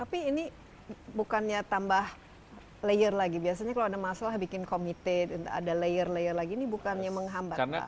tapi ini bukannya tambah layer lagi biasanya kalau ada masalah bikin komite ada layer layer lagi ini bukannya menghambat pak